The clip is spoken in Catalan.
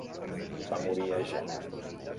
Va morir a Jena.